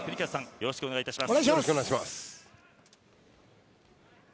よろしくお願いします。